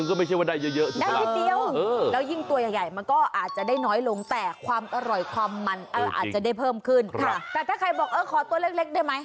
ขีดละขีดหนึ่งก็ห้าสิบอยู่นะ